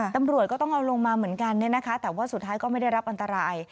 ตำรวจก็ต้องเอาลงมาเหมือนกันแต่ว่าสุดท้ายก็ไม่ได้รับอันตราย